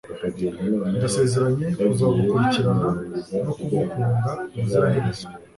ndasezeranye kuzakurikirana no kugukunda ubuziraherezo